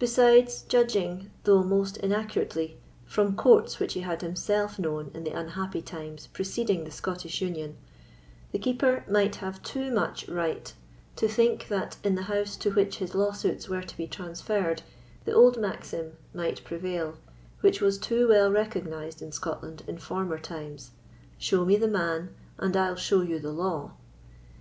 Besides, judging, though most inaccurately, from courts which he had himself known in the unhappy times preceding the Scottish Union, the Keeper might have too much right to think that, in the House to which his lawsuits were to be transferred, the old maxim might prevail which was too well recognised in Scotland in former times: "Show me the man, and I'll show you the law."